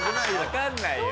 わかんないよ。